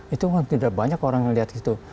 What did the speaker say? itu tidak banyak orang yang lihat gitu